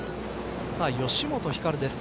吉本ひかるです。